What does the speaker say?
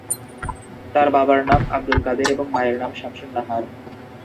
তার বাবার নাম আবদুল কাদের এবং মায়ের নাম শামসুন নাহার।